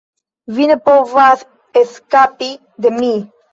Vi ne povas eskapi de mi.